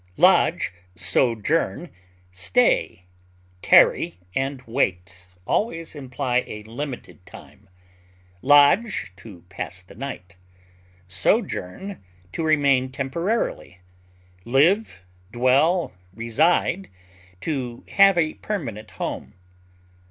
Lodge, sojourn, stay, tarry, and wait always imply a limited time; lodge, to pass the night; sojourn, to remain temporarily; live, dwell, reside, to have a permanent home.